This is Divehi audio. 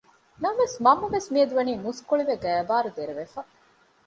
ނަމަވެސް މަންމަވެސް މިއަދު ވަނީ މުސްކުޅިވެ ގައިބާރު ދެރަވެފަ